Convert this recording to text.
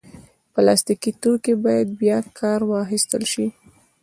پلاستيکي توکي باید بیا کار واخیستل شي.